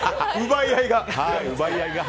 奪い合いが。